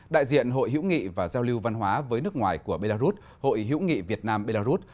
đại diện hội hữu nghị và giao lưu văn hóa với nước ngoài của belarus hội hữu nghị việt nam belarus